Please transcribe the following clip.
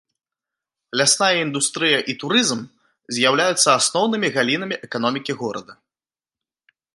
Лясная індустрыя і турызм з'яўляюцца асноўнымі галінамі эканомікі горада.